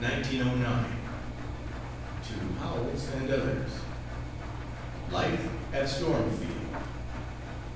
LETTERS, 1909. TO HOWELLS AND OTHERS. LIFE AT STORMFIELD.